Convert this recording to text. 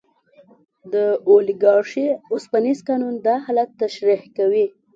د اولیګارشۍ اوسپنیز قانون دا حالت تشریح کوي.